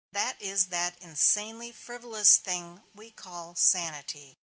This is that insanely frivolous thing we call sanity.